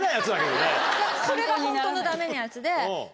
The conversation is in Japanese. それがホントのダメなやつで。